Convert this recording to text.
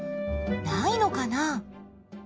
ないのかな？